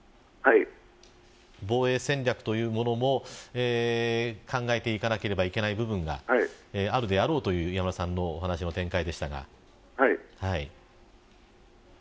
防衛戦略というものも考えていかなくてはいけない部分があるであろうという磐村さんのお話の展開でした。